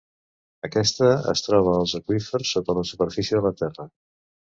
Aquesta es troba als aqüífers sota la superfície de la terra.